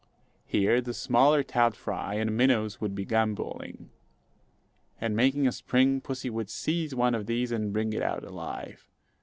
Here the smaller trout fry and minnows would be gambolling; and, making a spring, pussy would seize one of these and bring it out alive.